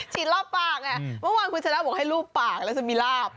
ฉีดรอบปากวันคุณชนะบอกให้รูปปากแล้วจะมีราบ